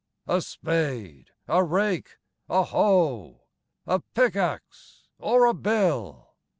A spade! a rake! a hoe! A pickaxe, or a bill!